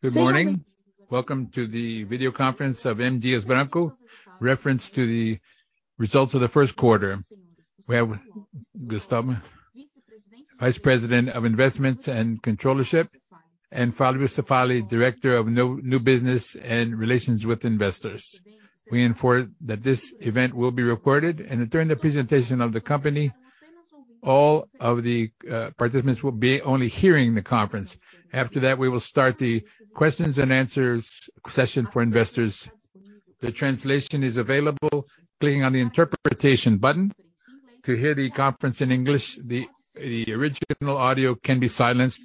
Good morning. Welcome to the Video Conference of M. Dias Branco. Reference to the results of the first quarter. We have Gustavo, Vice President of Investments and Controllership, and Fábio Cefaly, Director of New Business and Investor Relations. We inform that this event will be recorded and during the presentation of the company, all of the participants will be only hearing the conference. We will start the questions and answers session for investors. The translation is available, clicking on the interpretation button. To hear the conference in English, the original audio can be silenced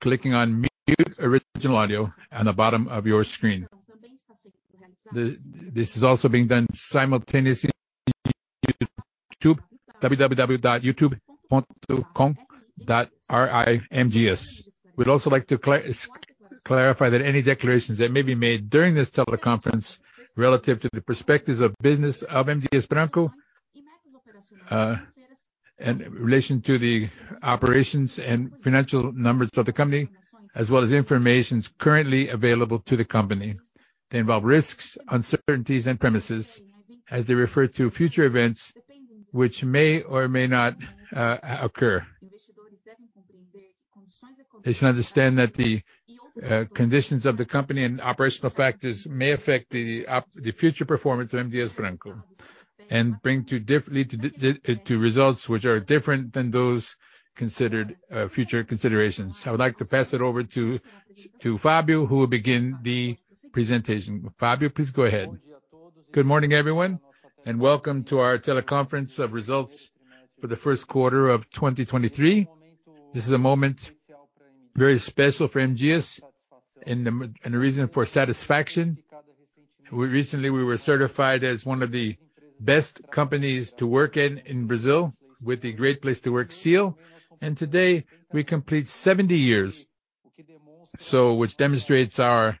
clicking on Mute Original Audio on the bottom of your screen. This is also being done simultaneously through YouTube, www.youtube.com/rimdias. We'd also like to clarify that any declarations that may be made during this teleconference relative to the perspectives of business of M. Dias Branco, and in relation to the operations and financial numbers of the company, as well as informations currently available to the company. They involve risks, uncertainties and premises as they refer to future events which may or may not occur. They should understand that the conditions of the company and operational factors may affect the future performance of M. Dias Branco and lead to results which are different than those considered future considerations. I would like to pass it over to Fábio, who will begin the presentation. Fábio, please go ahead. Good morning, everyone, and welcome to our teleconference of results for the first quarter of 2023. This is a moment very special for M. Dias Branco and a reason for satisfaction. Recently we were certified as one of the best companies to work in in Brazil with the Great Place to Work seal. Today we complete 70 years, which demonstrates our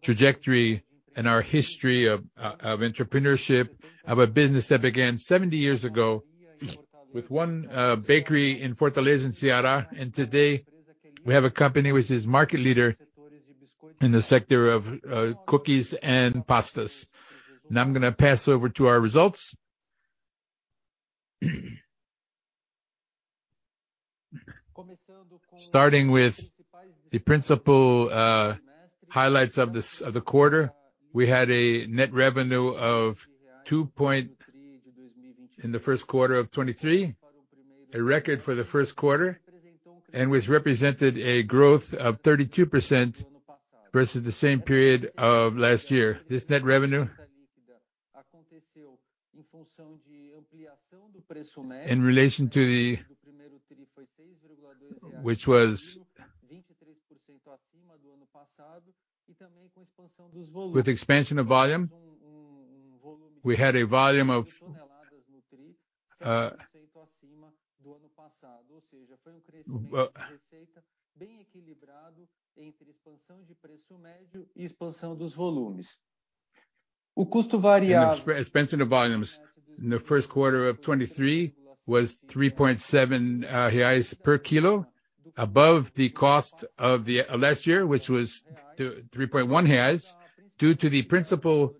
trajectory and our history of entrepreneurship, of a business that began 70 years ago with one bakery in Fortaleza in Ceará, and today we have a company which is market leader in the sector of cookies and pastas. Now I'm gonna pass over to our results. Starting with the principal highlights of the quarter. We had a net revenue in the first quarter of 2023, a record for the first quarter, and which represented a growth of 32% versus the same period of last year. The ex-expense in the volumes in the first quarter of 2023 was 3.7 reais per kilo, above the cost of the last year, which was 3.1 reais due to the principal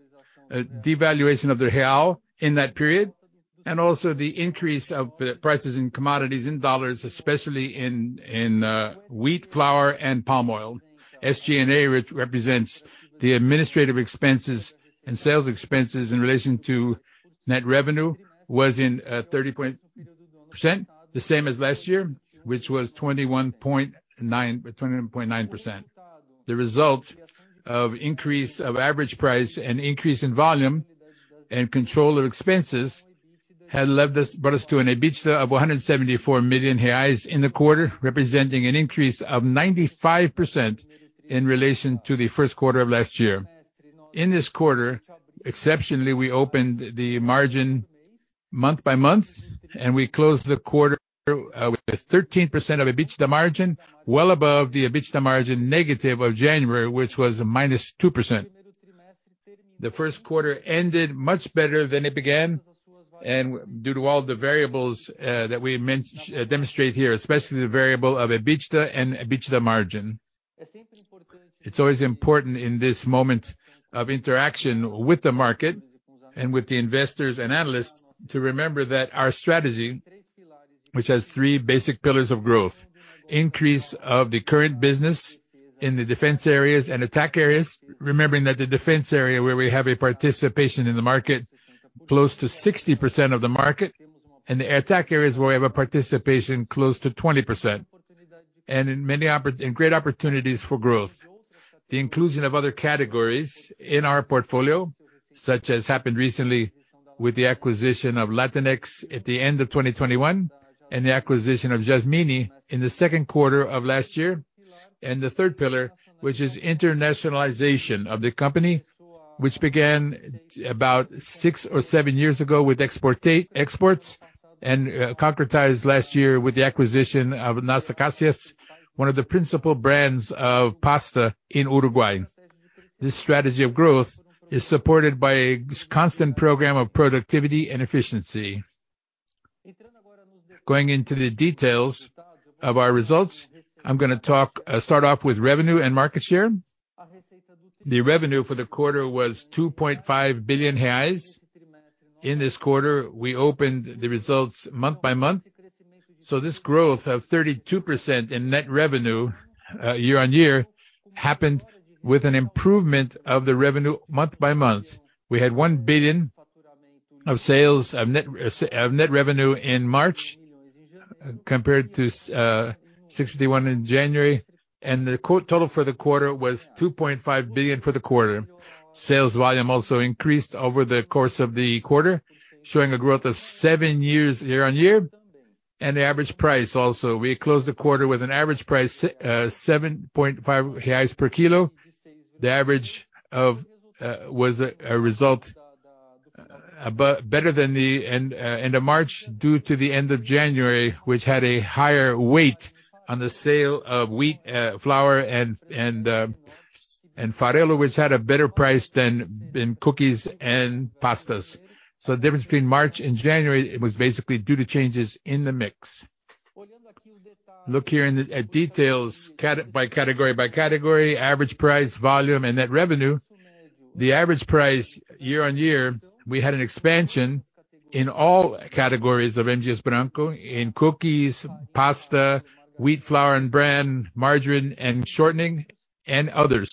devaluation of the real in that period, and also the increase of the prices in commodities in dollars, especially in wheat flour and palm oil. SG&A, which represents the administrative expenses and sales expenses in relation to net revenue was in 30%, the same as last year, which was 21.9%. The result of increase of average price and increase in volume and control of expenses brought us to an EBITDA of 174 million reais in the quarter, representing an increase of 95% in relation to the first quarter of last year. In this quarter, exceptionally, we opened the margin month-by-month and we closed the quarter with a 13% of EBITDA margin, well above the EBITDA margin negative of January, which was a -2%. The first quarter ended much better than it began and due to all the variables that we demonstrate here, especially the variable of EBITDA and EBITDA margin. It's always important in this moment of interaction with the market and with the investors and analysts to remember that our strategy, which has three basic pillars of growth, increase of the current business in the defense areas and attack areas. Remembering that the defense area where we have a participation in the market, close to 60% of the market, and the attack areas where we have a participation close to 20%, and in many great opportunities for growth. The inclusion of other categories in our portfolio, such as happened recently with the acquisition of Latinex at the end of 2021, and the acquisition of Jasmine in the second quarter of last year. The third pillar, which is internationalization of the company, which began about six or seven years ago with exports and concretized last year with the acquisition of Las Acacias, one of the principal brands of pasta in Uruguay. This strategy of growth is supported by a constant program of productivity and efficiency. Going into the details of our results, I'm gonna talk, start off with revenue and market share. The revenue for the quarter was 2.5 billion reais. In this quarter, we opened the results month-by-month. This growth of 32% in net revenue, year-on-year happened with an improvement of the revenue month-by-month. We had 1 billion of sales of net revenue in March compared to 61 in January, and the total for the quarter was 2.5 billion for the quarter. Sales volume also increased over the course of the quarter, showing a growth of 7 years year-on-year and the average price also. We closed the quarter with an average price 7.5 reais per kilo. The average was a result better than the end of March due to the end of January, which had a higher weight on the sale of wheat flour and farelo which had a better price than in cookies and pastas. The difference between March and January, it was basically due to changes in the mix. Look here in the, at details by category, average price, volume, and net revenue. The average price year-on-year, we had an expansion in all categories of M. Dias Branco in cookies, pasta, wheat flour and bran, margarine and shortening and others,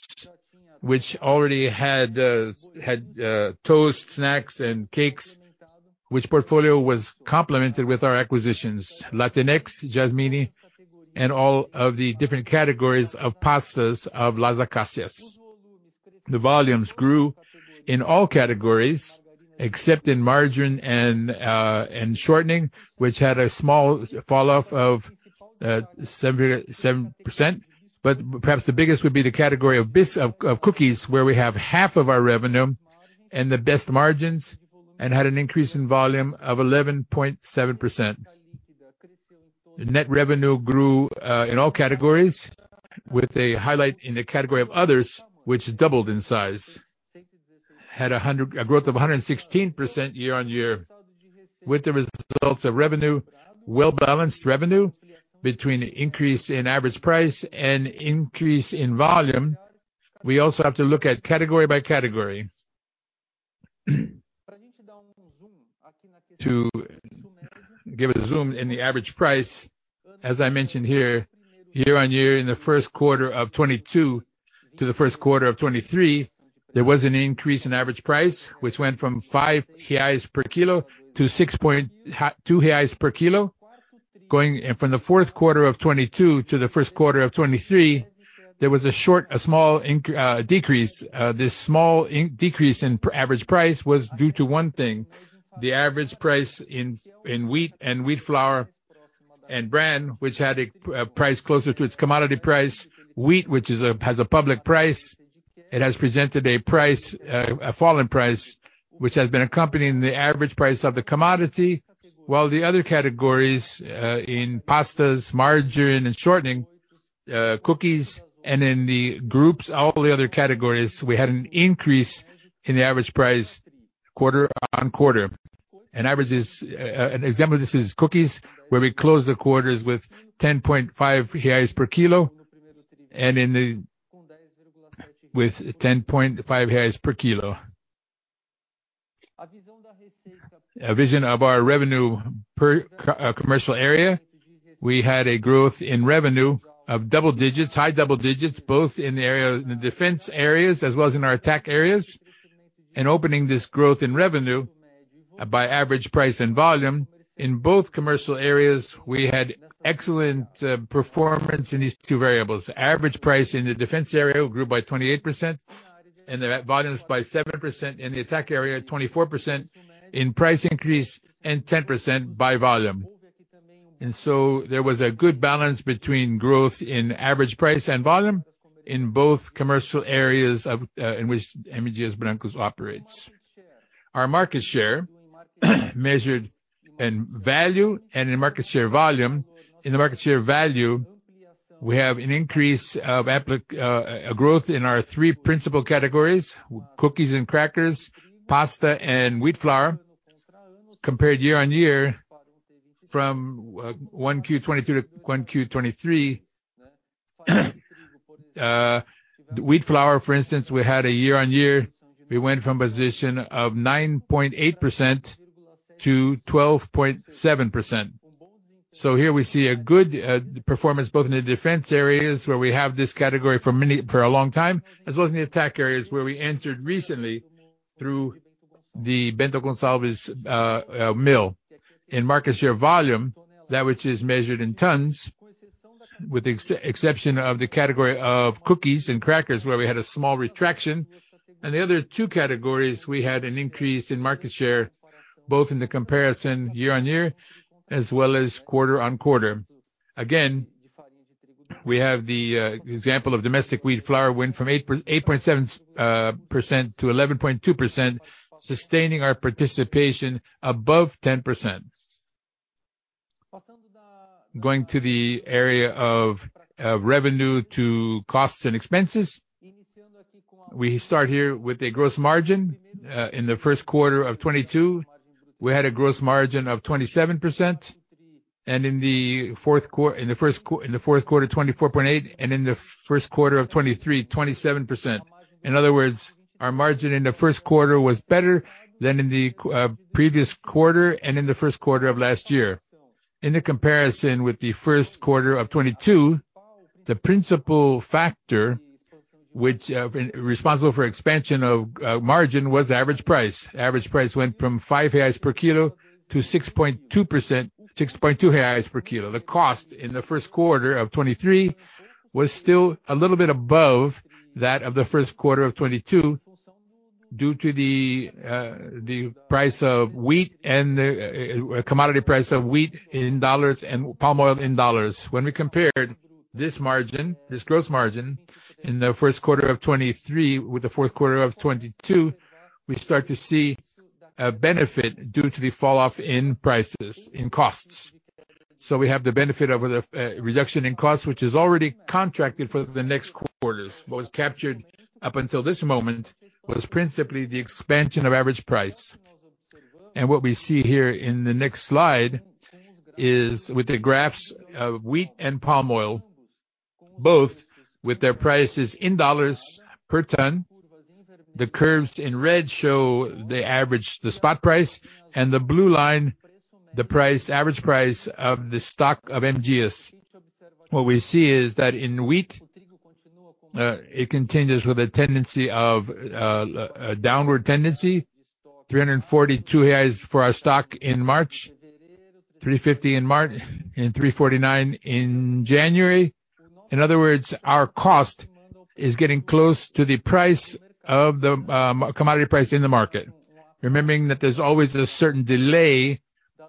which already had toast, snacks and cakes, which portfolio was complemented with our acquisitions, Latinex, Jasmine and all of the different categories of pastas of Las Acacias. The volumes grew in all categories except in margarine and shortening, which had a small falloff of 77%. Perhaps the biggest would be the category of cookies where we have half of our revenue and the best margins and had an increase in volume of 11.7%. The net revenue grew in all categories with a highlight in the category of others which doubled in size. Had a growth of 116% year-on-year with the results of revenue, well-balanced revenue between increase in average price and increase in volume. We also have to look at category by category. To give a zoom in the average price, as I mentioned here, year-on-year in the first quarter 2022 to the first quarter 2023, there was an increase in average price which went from 5 reais per kilo to 6.2 reais per kilo. Going from the fourth quarter 2022 to the first quarter 2023, there was a small decrease. This small decrease in average price was due to one thing, the average price in wheat and wheat flour and farelo, which had a price closer to its commodity price. Wheat which has a public price, it has presented a fallen price, which has been accompanying the average price of the commodity, while the other categories, in pastas, margarine and shortening, cookies and in the groups, all the other categories, we had an increase in the average price quarter-over-quarter. Average is an example of this is cookies, where we close the quarters with 10.5 reais per kilo. A vision of our revenue per commercial area, we had a growth in revenue of double digits, high double digits, both in the defense areas as well as in our attack areas. Opening this growth in revenue by average price and volume in both commercial areas, we had excellent performance in these two variables. Average price in the defense area grew by 28% and the volumes by 7%. In the attack area, 24% in price increase and 10% by volume. There was a good balance between growth in average price and volume in both commercial areas of in which M. Dias Branco operates. Our market share measured in value and in market share volume. In the market share value, we have a growth in our three principal categories: cookies and crackers, pasta and wheat flour compared year-over-year from 1Q 2022 to 1Q 2023. Wheat flour, for instance, we had a year-over-year, we went from a position of 9.8% to 12.7%. Here we see a good performance both in the defense areas where we have this category for a long time, as well as in the attack areas where we entered recently through the Bento Gonçalves mill. In market share volume, that which is measured in tons with the exception of the category of cookies and crackers where we had a small retraction, and the other two categories we had an increase in market share, both in the comparison year-over-year as well as quarter-on-quarter. Again, we have the example of domestic wheat flour went from 8.7%-11.2%, sustaining our participation above 10%. Going to the area of revenue to costs and expenses. We start here with a gross margin. In the first quarter of 2022, we had a gross margin of 27%, and in the fourth quarter, 24.8%, and in the first quarter of 2023, 27%. In other words, our margin in the first quarter was better than in the previous quarter and in the first quarter of last year. In the comparison with the first quarter of 2022, the principal factor which responsible for expansion of margin was average price. Average price went from five reais per kilo to 6.2 reais per kilo. The cost in the first quarter of 2023 was still a little bit above that of the first quarter of 2022 due to the price of wheat and the commodity price of wheat in dollars and palm oil in dollars. When we compared this margin, this gross margin in the first quarter of 2023 with the fourth quarter of 2022, we start to see a benefit due to the fall off in prices, in costs. We have the benefit of the reduction in costs, which is already contracted for the next quarters. What was captured up until this moment was principally the expansion of average price. What we see here in the next slide is with the graphs of Wheat and palm oil, both with their prices in $ per ton. The curves in red show the average, the spot price, and the blue line, the average price of the stock of MGS. What we see is that in Wheat, it continues with a tendency of a downward tendency, R$ 342 for our stock in March, R$ 349 in January. In other words, our cost is getting close to the price of the commodity price in the market. Remembering that there's always a certain delay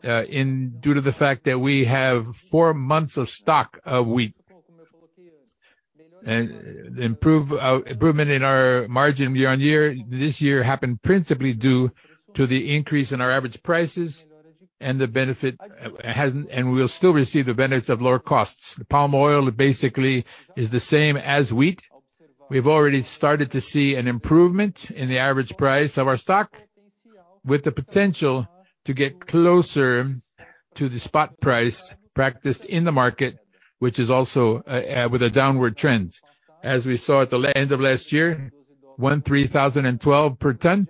due to the fact that we have four months of stock a week. Improvement in our margin year-over-year, this year happened principally due to the increase in our average prices and we'll still receive the benefits of lower costs. palm oil basically is the same as Wheat. We've already started to see an improvement in the average price of our stock with the potential to get closer to the spot price practiced in the market, which is also with a downward trend. As we saw at the end of last year, $1,312 per ton,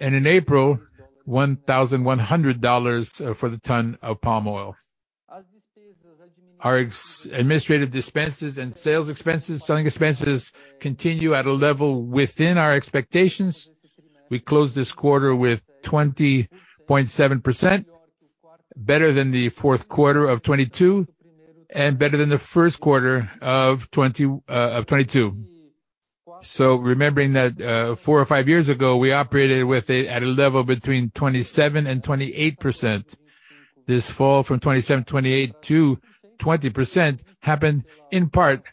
and in April, $1,100 for the ton of palm oil. Our administrative expenses and selling expenses continue at a level within our expectations. We closed this quarter with 20.7%, better than the fourth quarter of 2022 and better than the first quarter of 2022. Remembering that four or five years ago, we operated at a level between 27% and 28%. This fall from 27%, 28%-20% happened in part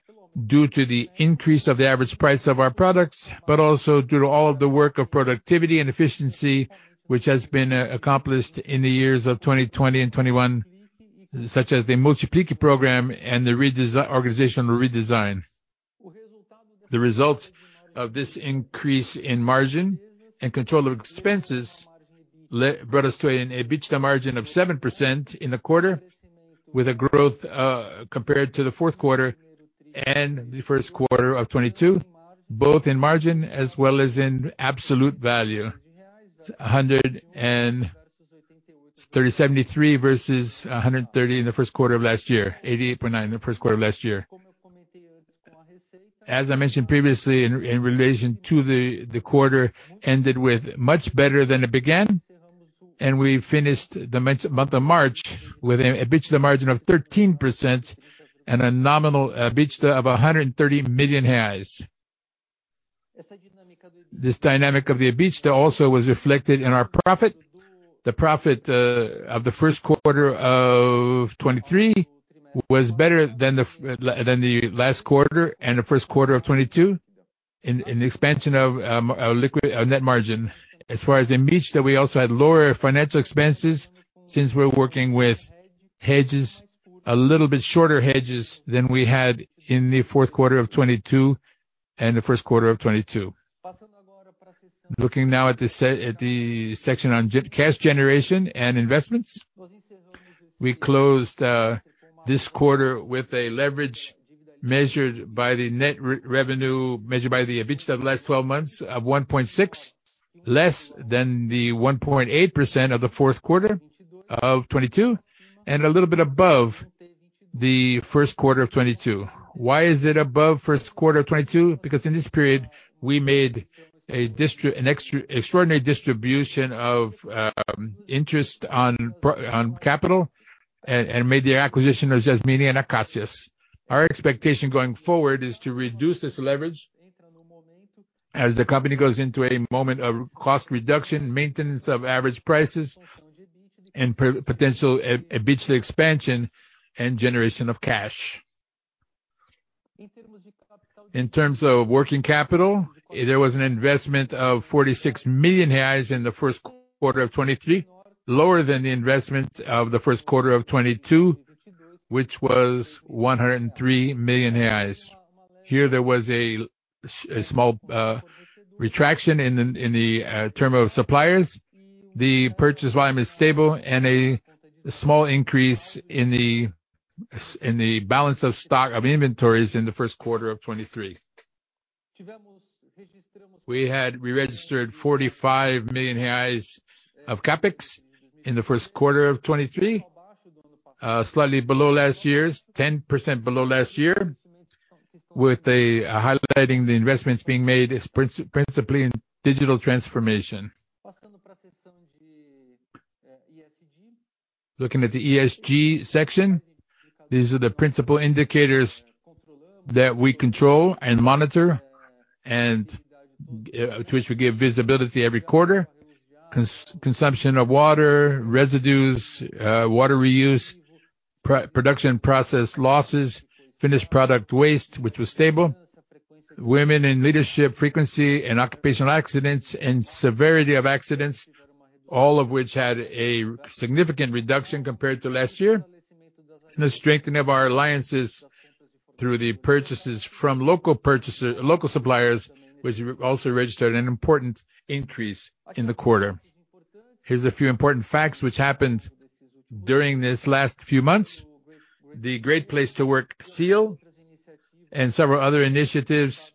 due to the increase of the average price of our products, but also due to all of the work of productivity and efficiency, which has been accomplished in the years of 2020 and 2021, such as the Multiplica program and the organizational redesign. The result of this increase in margin and control of expenses brought us to an EBITDA margin of 7% in the quarter with a growth compared to the fourth quarter and the first quarter of 2022, both in margin as well as in absolute value. 130.73 million versus 130 million in the first quarter of last year, 88.9 million in the first quarter of last year. As I mentioned previously in relation to the quarter ended with much better than it began, and we finished the month of March with an EBITDA margin of 13% and a nominal EBITDA of 130 million reais. This dynamic of the EBITDA also was reflected in our profit. The profit of the first quarter of 2023 was better than the last quarter and the first quarter of 2022 in expansion of net margin. As far as the EBITDA, we also had lower financial expenses since we're working with hedges, a little bit shorter hedges than we had in the fourth quarter of 2022 and the first quarter of 2022. Looking now at the section on cash generation and investments. We closed this quarter with a leverage measured by the net revenue, measured by the EBITDA of the last 12 months of 1.6, less than the 1.8% of the fourth quarter of 2022, and a little bit above the first quarter of 2022. Why is it above first quarter of 2022? In this period, we made an extraordinary distribution of interest on capital and made the acquisition of Jasmine and Acacias. Our expectation going forward is to reduce this leverage as the company goes into a moment of cost reduction, maintenance of average prices, and potential EBITDA expansion and generation of cash. In terms of working capital, there was an investment of 46 million reais in the first quarter of 2023, lower than the investment of the first quarter of 2022, which was 103 million reais. Here there was a small retraction in the term of suppliers. The purchase volume is stable and a small increase in the balance of stock of inventories in the first quarter of 2023. We registered 45 million reais of CapEx in the first quarter of 2023, slightly below last year's, 10% below last year, highlighting the investments being made is principally in digital transformation. Looking at the ESG section, these are the principal indicators that we control and monitor and to which we give visibility every quarter. Consumption of water, residues, water reuse, production process losses, finished product waste, which was stable. Women in leadership, frequency and occupational accidents and severity of accidents, all of which had a significant reduction compared to last year. The strengthening of our alliances through the purchases from local suppliers, which also registered an important increase in the quarter. Here's a few important facts which happened during these last few months. The Great Place to Work seal and several other initiatives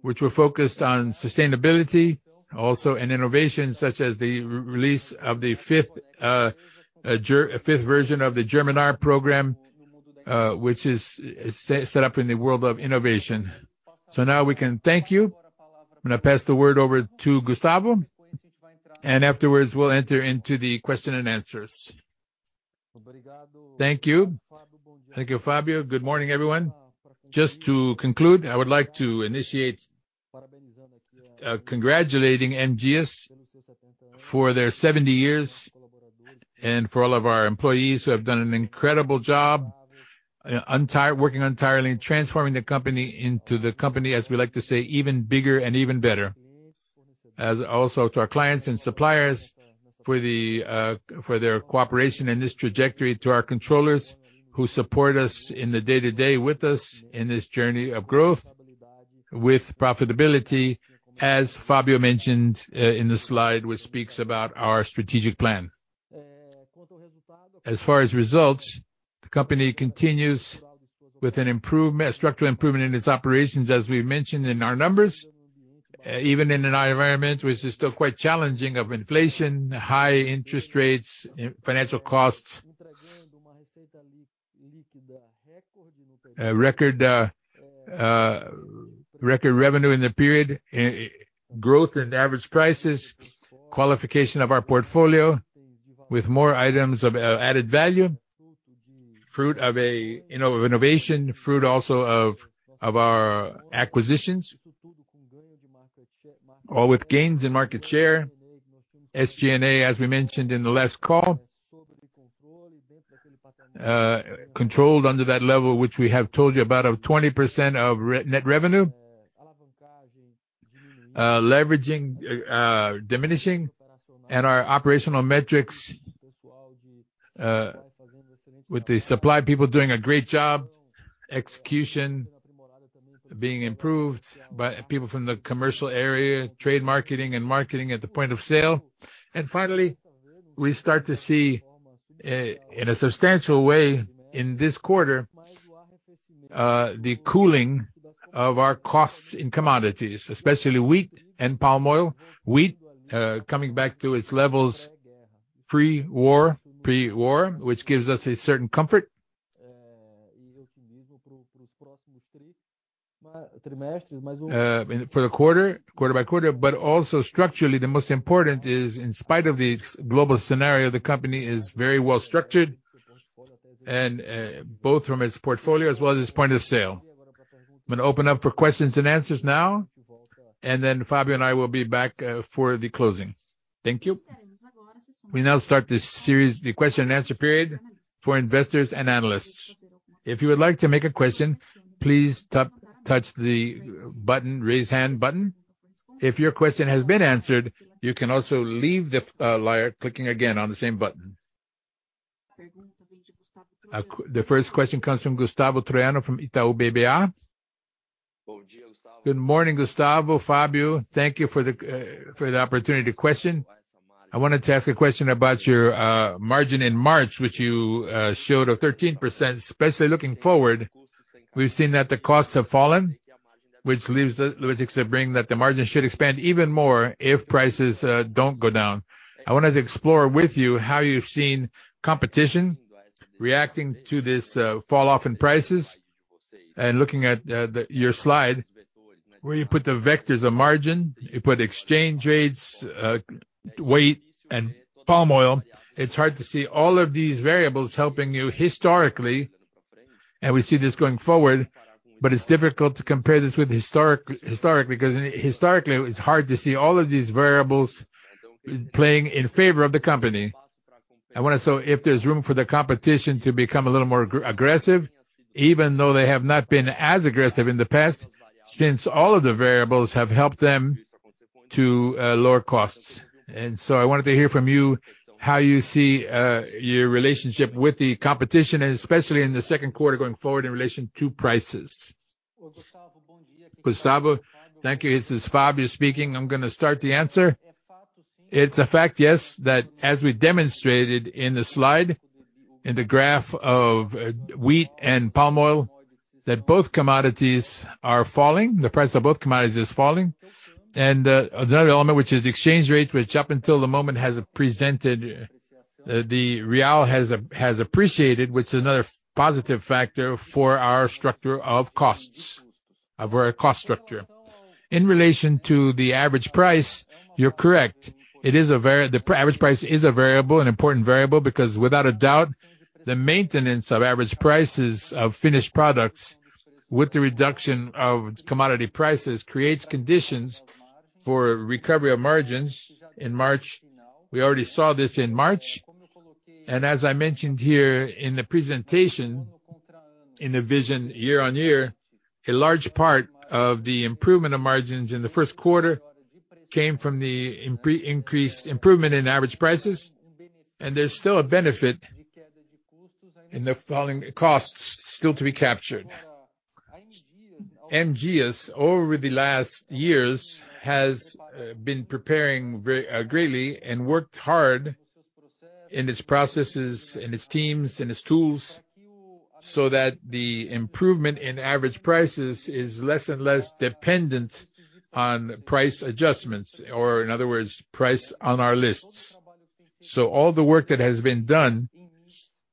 which were focused on sustainability, also in innovation, such as the re-release of the fifth version of the Germinar program, which is set up in the world of innovation. Now we can thank you. I'm gonna pass the word over to Gustavo, and afterwards we'll enter into the question and answers. Thank you. Thank you, Fabio. Good morning, everyone. Just to conclude, I would like to initiate congratulating M. Dias Branco for their 70 years and for all of our employees who have done an incredible job, working entirely in transforming the company, as we like to say, even bigger and even better. As also to our clients and suppliers for their cooperation in this trajectory. To our controllers who support us in the day-to-day with us in this journey of growth with profitability, as Fábio mentioned, in the slide, which speaks about our strategic plan. As far as results, the company continues with a structural improvement in its operations, as we mentioned in our numbers. Even in an environment which is still quite challenging of inflation, high interest rates, financial costs. Record revenue in the period, growth in average prices, qualification of our portfolio with more items of added value, fruit of a, you know, innovation, fruit also of our acquisitions, all with gains in market share. SG&A, as we mentioned in the last call, controlled under that level, which we have told you about of 20% of net revenue. Leveraging diminishing and our operational metrics, with the supply people doing a great job, execution being improved by people from the commercial area, trade marketing and marketing at the point of sale. Finally, we start to see in a substantial way in this quarter, the cooling of our costs in commodities, especially wheat and palm oil. Wheat coming back to its levels pre-war, which gives us a certain comfort for the quarter by quarter. Also structurally, the most important is, in spite of the global scenario, the company is very well-structured both from its portfolio as well as its point of sale. I'm gonna open up for questions and answers now, and then Fábio and I will be back for the closing. Thank you. We now start the series, the question and answer period for investors and analysts. If you would like to make a question, please touch the button, raise hand button. If your question has been answered, you can also leave the line clicking again on the same button. The first question comes from Gustavo Troyano from Itaú BBA. Good morning, Gustavo, Fábio. Thank you for the opportunity to question. I wanted to ask a question about your margin in March, which you showed a 13%. Especially looking forward, we've seen that the costs have fallen, which leaves us to bring that the margin should expand even more if prices don't go down. I wanted to explore with you how you've seen competition reacting to this fall off in prices. Looking at your slide where you put the vectors of margin, you put exchange rates, wheat and palm oil. It's hard to see all of these variables helping you historically, and we see this going forward, but it's difficult to compare this with historically. Historically, it's hard to see all of these variables playing in favor of the company. I wonder, so if there's room for the competition to become a little more aggressive, even though they have not been as aggressive in the past, since all of the variables have helped them to lower costs. I wanted to hear from you how you see your relationship with the competition and especially in the second quarter going forward in relation to prices. Gustavo, thank you. This is Fábio speaking. I'm gonna start the answer. It's a fact, yes, that as we demonstrated in the slide, in the graph of wheat and palm oil, that both commodities are falling. The price of both commodities is falling. Another element which is exchange rate, which up until the moment has presented, the real has appreciated, which is another positive factor for our structure of costs, of our cost structure. In relation to the average price, you're correct. The average price is a variable, an important variable because without a doubt, the maintenance of average prices of finished products with the reduction of commodity prices creates conditions for recovery of margins in March. We already saw this in March. As I mentioned here in the presentation, in the vision year-over-year, a large part of the improvement of margins in the first quarter came from the improvement in average prices, and there's still a benefit in the falling costs still to be captured. M. Dias Branco over the last years has been preparing greatly and worked hard in its processes, in its teams, in its tools, so that the improvement in average prices is less and less dependent on price adjustments, or in other words, price on our lists. All the work that has been done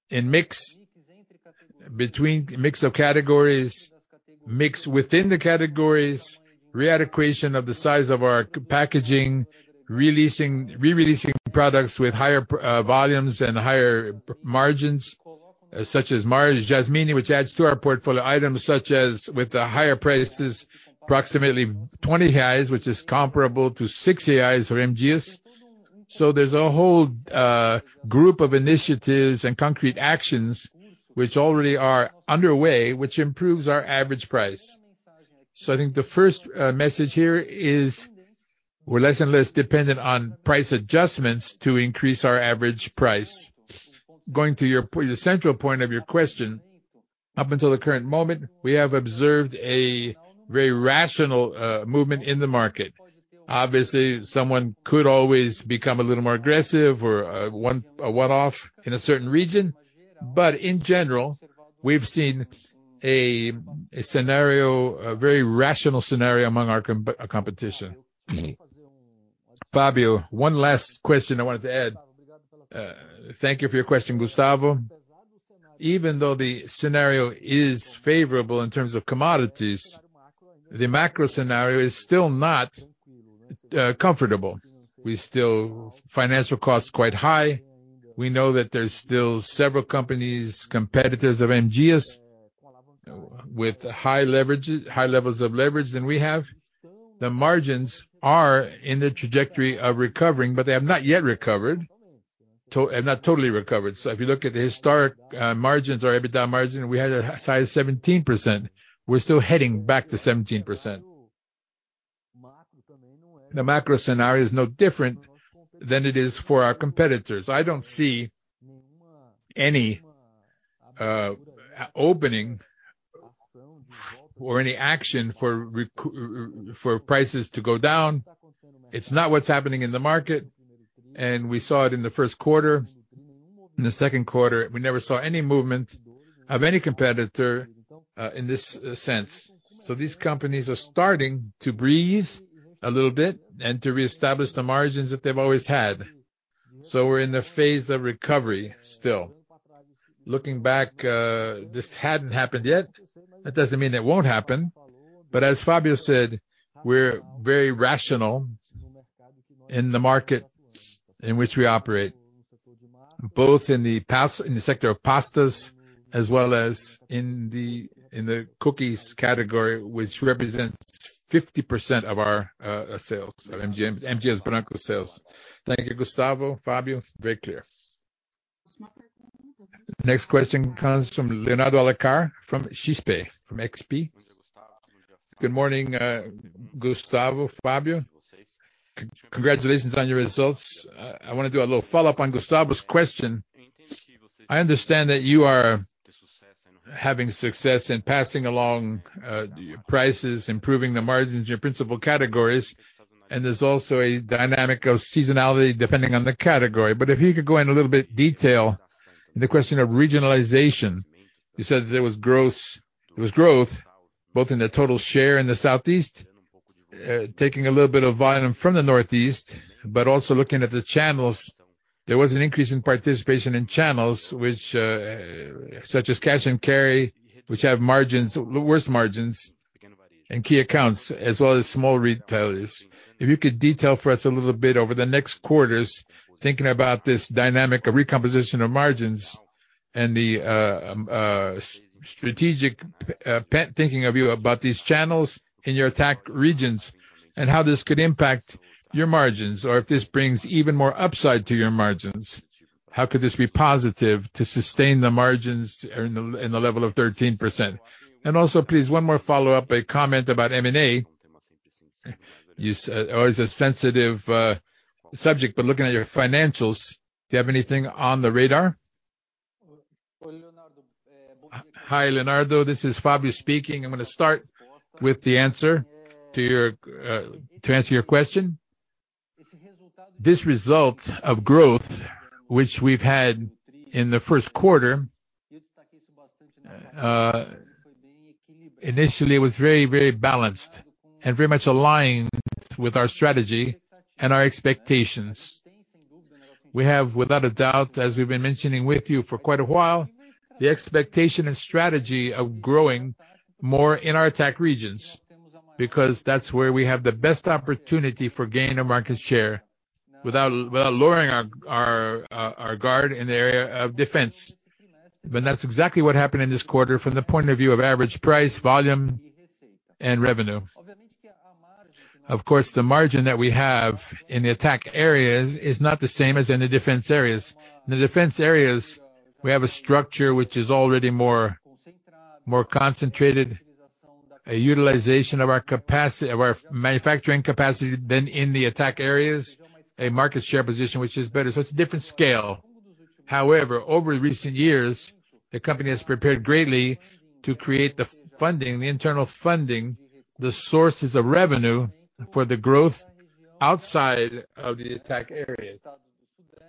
in mix of categories, mix within the categories, re-adequation of the size of our packaging, re-releasing products with higher volumes and higher margins, such as Marcas, Jasmine, which adds to our portfolio items such as with the higher prices, approximately 20 reais, which is comparable to 6 reais for M. Dias Branco. There's a whole group of initiatives and concrete actions which already are underway, which improves our average price. I think the first message here is we're less and less dependent on price adjustments to increase our average price. Going to your the central point of your question, up until the current moment, we have observed a very rational movement in the market. Obviously, someone could always become a little more aggressive or a one-off in a certain region. In general, we've seen a scenario, a very rational scenario among our competition. Fábio, one last question I wanted to add. Thank you for your question, Gustavo. Even though the scenario is favorable in terms of commodities, the macro scenario is still not comfortable. Financial cost quite high. We know that there's still several companies, competitors of M. Dias Branco with high levels of leverage than we have. The margins are in the trajectory of recovering, but they have not yet recovered. have not totally recovered. If you look at the historic margins or EBITDA margin, we had a size 17%. We're still heading back to 17%. The macro scenario is no different than it is for our competitors. I don't see any opening or any action for prices to go down. It's not what's happening in the market, and we saw it in the first quarter. In the second quarter, we never saw any movement of any competitor in this sense. These companies are starting to breathe a little bit and to reestablish the margins that they've always had. We're in the phase of recovery still. Looking back, this hadn't happened yet. That doesn't mean it won't happen. As Fábio said, we're very rational in the market in which we operate, both in the sector of pastas as well as in the cookies category, which represents 50% of our sales of M. Dias Branco sales. Thank you, Gustavo. Fábio, very clear. Next question comes from Leonardo Alencar from XP. From XP. Good morning, Gustavo, Fábio. Congratulations on your results. I wanna do a little follow-up on Gustavo's question. I understand that you are having success in passing along prices, improving the margins in your principal categories, and there's also a dynamic of seasonality depending on the category. If you could go in a little bit detail in the question of regionalization. You said there was growth, there was growth both in the total share in the Southeast, taking a little bit of volume from the Northeast, but also looking at the channels. There was an increase in participation in channels which, such as cash and carry, which have margins, worse margins in key accounts, as well as small retailers. If you could detail for us a little bit over the next quarters, thinking about this dynamic recomposition of margins and the strategic thinking of you about these channels in your attack regions and how this could impact your margins or if this brings even more upside to your margins. How could this be positive to sustain the margins in the 13% level? Also, please, one more follow-up, a comment about M&A. You always a sensitive subject, but looking at your financials, do you have anything on the radar? Hi, Leonardo Alencar. This is Fábio Cefaly speaking. I'm gonna start with the answer to your question. This result of growth, which we've had in the first quarter, initially it was very, very balanced and very much aligned with our strategy and our expectations. We have, without a doubt, as we've been mentioning with you for quite a while, the expectation and strategy of growing more in our attack regions, because that's where we have the best opportunity for gain of market share without lowering our guard in the area of defense. That's exactly what happened in this quarter from the point of view of average price, volume, and revenue. Of course, the margin that we have in the attack areas is not the same as in the defense areas. In the defense areas, we have a structure which is already more, more concentrated a utilization of our manufacturing capacity than in the attack areas, a market share position which is better. It's a different scale. However, over recent years, the company has prepared greatly to create the funding, the internal funding, the sources of revenue for the growth outside of the attack areas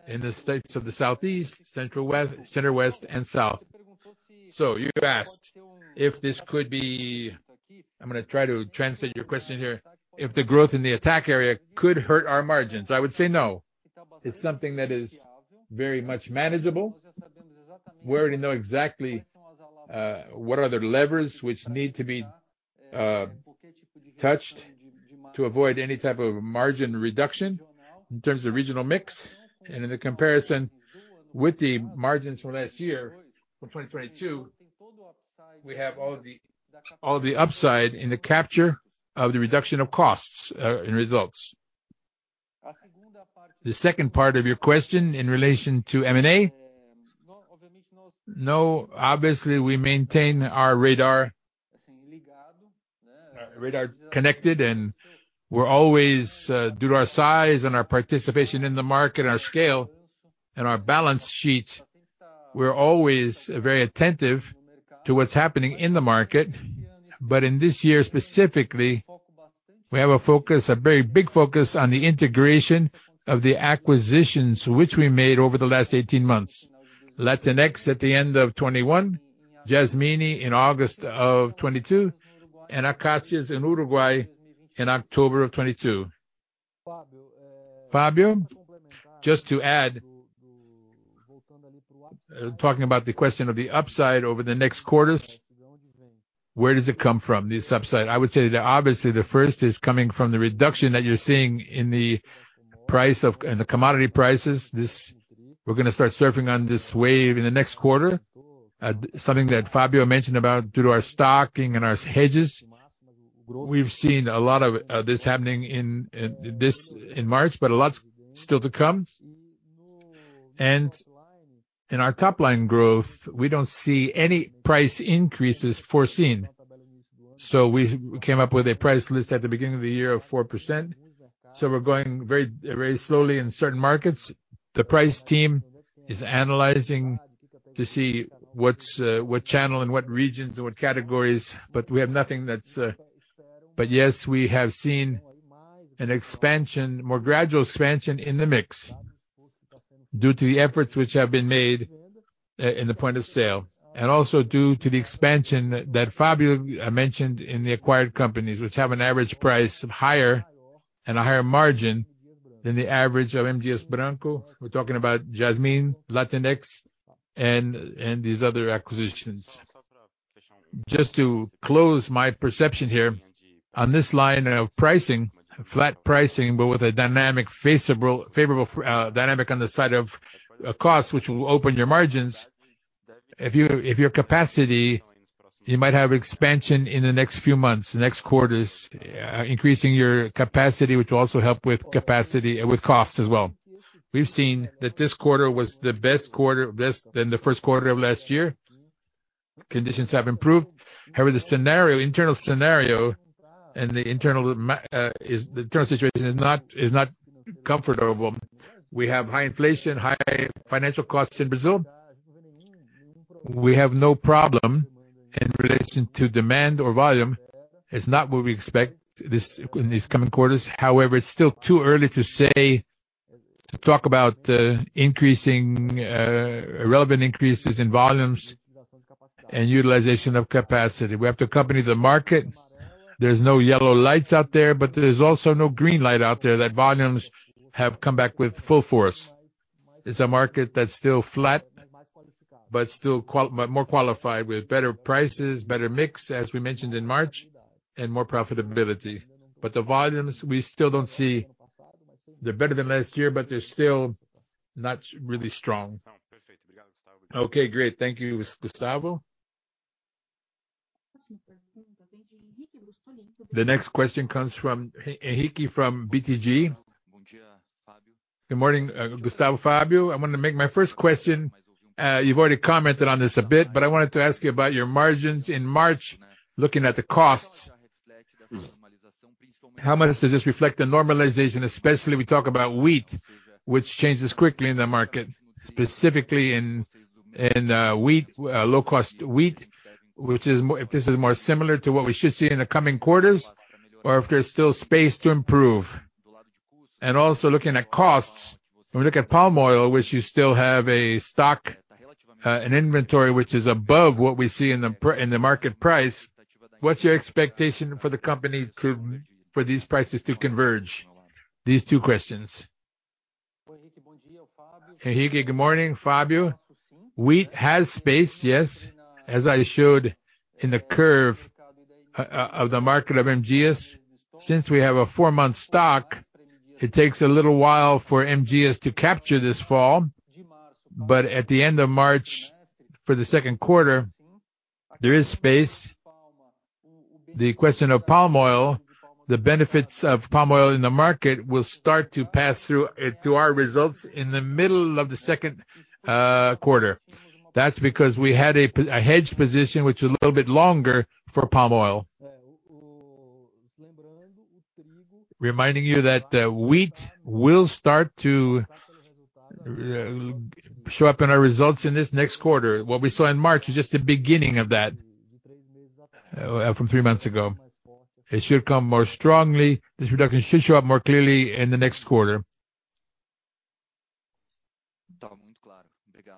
in the states of the southeast, central center west, and south. You asked if this could be. I'm going to try to translate your question here. If the growth in the attack area could hurt our margins? I would say no. It's something that is very much manageable. We already know exactly what are the levers which need to be touched to avoid any type of margin reduction in terms of regional mix. In the comparison with the margins from last year, from 2022, we have all the upside in the capture of the reduction of costs in results. The second part of your question in relation to M&A. Obviously, we maintain our radar connected, and we're always, due to our size and our participation in the market, our scale and our balance sheet, we're always very attentive to what's happening in the market. In this year specifically, we have a focus, a very big focus on the integration of the acquisitions which we made over the last 18 months. Latinex at the end of 2021, Jasmine in August of 2022, and Acacias in Uruguay in October of 2022. Fábio, just to add, talking about the question of the upside over the next quarters, where does it come from, this upside? I would say that obviously the first is coming from the reduction that you're seeing in the commodity prices. We're gonna start surfing on this wave in the next quarter. something that Fábio mentioned about due to our stocking and our hedges. We've seen a lot of this happening in March, but a lot's still to come. In our top line growth, we don't see any price increases foreseen. We came up with a price list at the beginning of the year of 4%, so we're going very, very slowly in certain markets. The price team is analyzing to see what channel and what regions or what categories, but we have nothing that's. Yes, we have seen an expansion, more gradual expansion in the mix due to the efforts which have been made in the point of sale, and also due to the expansion that Fábio mentioned in the acquired companies which have an average price higher and a higher margin than the average of M. Dias Branco. We're talking about Jasmine, Latinex and these other acquisitions. Just to close my perception here on this line of pricing, flat pricing, with a dynamic favorable dynamic on the side of costs which will open your margins. If your capacity, you might have expansion in the next few months, next quarters, increasing your capacity, which will also help with costs as well. We've seen that this quarter was the best quarter, best than the 1st quarter of last year. Conditions have improved. The scenario, internal scenario and the internal situation is not comfortable. We have high inflation, high financial costs in Brazil. We have no problem in relation to demand or volume. It's not what we expect in these coming quarters. It's still too early to say, to talk about increasing relevant increases in volumes and utilization of capacity. We have to accompany the market. There's no yellow lights out there, but there's also no green light out there that volumes have come back with full force. It's a market that's still flat, but more qualified with better prices, better mix, as we mentioned in March, and more profitability. The volumes, we still don't see. They're better than last year, but they're still not really strong. Okay, great. Thank you, Gustavo. The next question comes from Henrique from BTG. Good morning, Gustavo, Fábio. I want to make my first question, you've already commented on this a bit, but I wanted to ask you about your margins in March, looking at the costs. How much does this reflect the normalization, especially we talk about wheat, which changes quickly in the market, specifically in wheat, low cost wheat, which is more similar to what we should see in the coming quarters or if there's still space to improve. Also looking at costs, when we look at palm oil, which you still have a stock, an inventory which is above what we see in the market price, what's your expectation for the company for these prices to converge? These two questions. Henrique, good morning. Fábio. Wheat has space, yes. As I showed in the curve of the market of MGS, since we have a four-month stock, it takes a little while for MGS to capture this fall. At the end of March, for the second quarter, there is space. The question of palm oil, the benefits of palm oil in the market will start to pass through our results in the middle of the second quarter. That's because we had a hedged position which is a little bit longer for palm oil. Reminding you that the Wheat will start to show up in our results in this next quarter. What we saw in March is just the beginning of that from three months ago. It should come more strongly. This reduction should show up more clearly in the next quarter.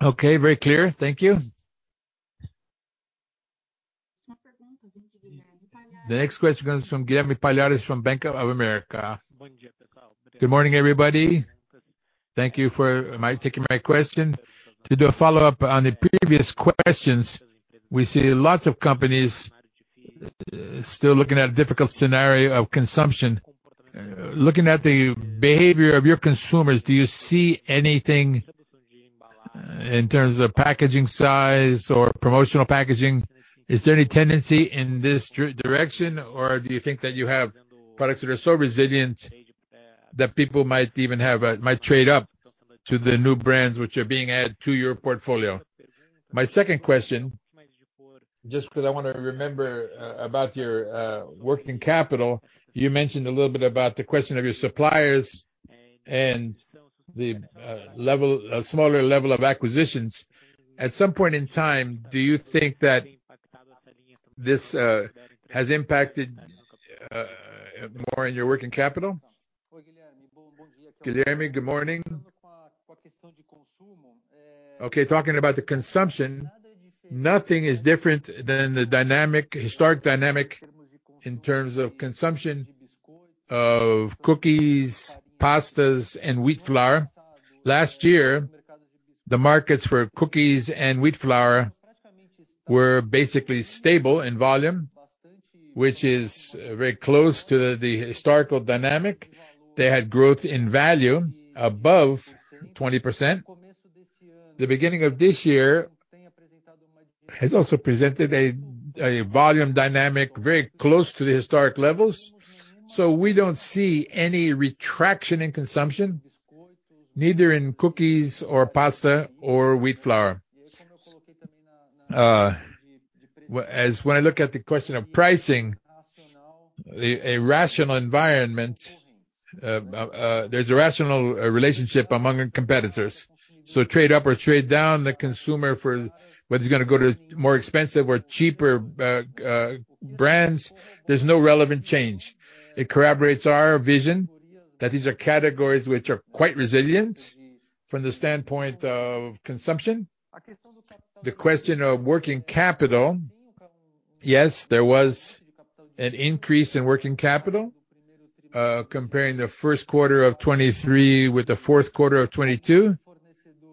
Okay. Very clear. Thank you. The next question comes from Guilherme Palhares from Bank of America. Good morning, everybody. Thank you for taking my question. To do a follow-up on the previous questions, we see lots of companies still looking at a difficult scenario of consumption. Looking at the behavior of your consumers, do you see anything in terms of packaging size or promotional packaging, is there any tendency in this direction, or do you think that you have products that are so resilient that people might even might trade up to the new brands which are being added to your portfolio? My second question, just 'cause I wanna remember about your working capital, you mentioned a little bit about the question of your suppliers and the level-- a smaller level of acquisitions. At some point in time, do you think that this has impacted more in your working capital? Guilherme, good morning. Okay, talking about the consumption, nothing is different than the dynamic, historic dynamic in terms of consumption of cookies, pastas and Wheat flour. Last year, the markets for cookies and Wheat flour were basically stable in volume, which is very close to the historical dynamic. They had growth in value above 20%. The beginning of this year has also presented a volume dynamic very close to the historic levels, so we don't see any retraction in consumption, neither in cookies or pasta or Wheat flour. When I look at the question of pricing, a rational environment, there's a rational relationship among our competitors. Trade up or trade down, the consumer for whether he's gonna go to more expensive or cheaper brands, there's no relevant change. It corroborates our vision that these are categories which are quite resilient from the standpoint of consumption. The question of working capital, yes, there was an increase in working capital, comparing the first quarter of 2023 with the fourth quarter of 2022.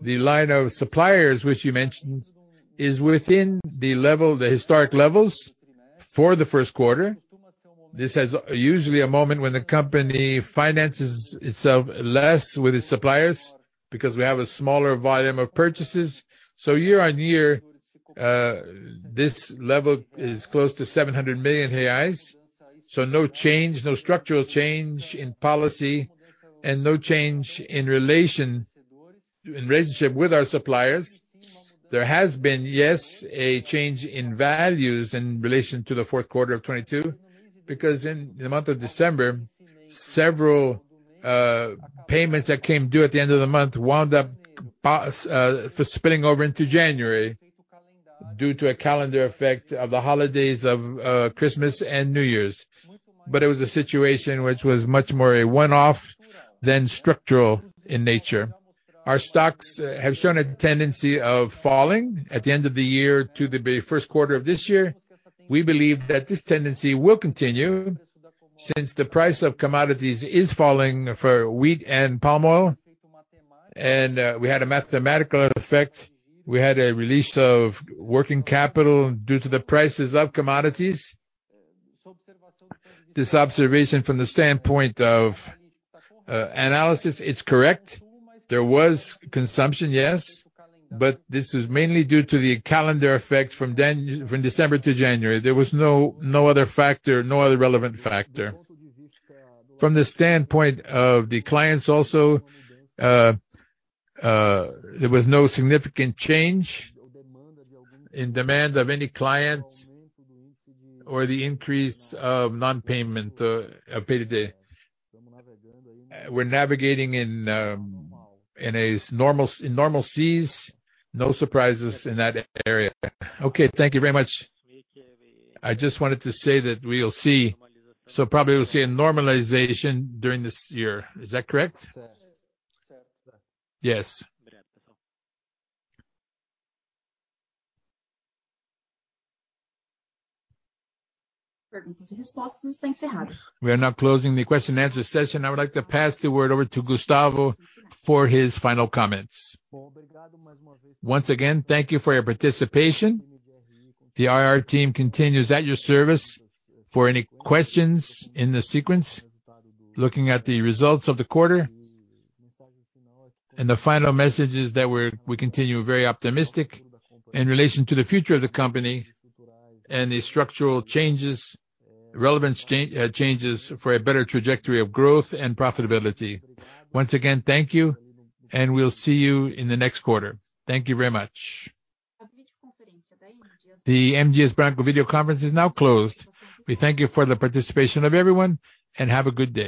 The line of suppliers, which you mentioned, is within the level, the historic levels for the first quarter. This has usually a moment when the company finances itself less with its suppliers because we have a smaller volume of purchases. Year-on-year, this level is close to 700 million reais. No change, no structural change in policy and no change in relationship with our suppliers. There has been, yes, a change in values in relation to the fourth quarter of 2022, because in the month of December, several payments that came due at the end of the month wound up spilling over into January due to a calendar effect of the holidays of Christmas and New Year's. It was a situation which was much more a one-off than structural in nature. Our stocks have shown a tendency of falling at the end of the year to the first quarter of this year. We believe that this tendency will continue since the price of commodities is falling for wheat and palm oil. We had a mathematical effect. We had a release of working capital due to the prices of commodities. This observation from the standpoint of analysis, it's correct. There was consumption, yes, This was mainly due to the calendar effect from December to January. There was no other factor, no other relevant factor. From the standpoint of the clients also, there was no significant change in demand of any client or the increase of non-payment paid today. We're navigating in normal seas. No surprises in that area. Okay. Thank you very much. I just wanted to say that we'll see, Probably we'll see a normalization during this year. Is that correct? Yes. We are now closing the question and answer session. I would like to pass the word over to Gustavo for his final comments. Once again, thank you for your participation. The IR team continues at your service for any questions in the sequence, looking at the results of the quarter. The final message is that we continue very optimistic in relation to the future of the company and the structural changes, relevance changes for a better trajectory of growth and profitability. Once again, thank you and we'll see you in the next quarter. Thank you very much. The M. Dias Branco video conference is now closed. We thank you for the participation of everyone, and have a good day.